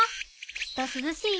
きっと涼しいよ。